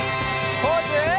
ポーズ！